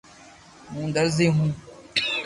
ھون درزي ھون